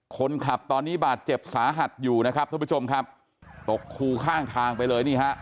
คนนี้บาดเจ็บสาหัสอยู่นะครับท่านผู้ชมครับตกคูข้างทางไปเลยนี่ฮะ